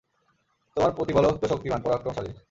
তোমার প্রতিপালক তো শক্তিমান, পরাক্রমশালী।